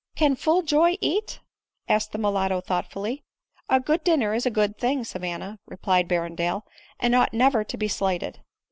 " Can full joy eat ?" asked the mulatto thoughtfully. " A good dinner is a good thing, Savanna*" replied Berrendale, " and ought never to be slighted."